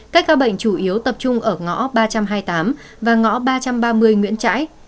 các ca bệnh chủ yếu tập trung ở ngõ ba trăm hai mươi tám và ngõ ba trăm ba mươi nguyễn trãi